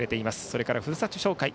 それから、ふるさと紹介。